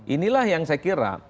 inilah yang saya kira